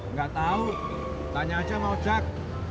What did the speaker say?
nggak tahu tanya aja bang ojak